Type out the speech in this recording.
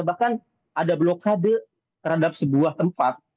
bahkan ada blokade terhadap sebuah tempat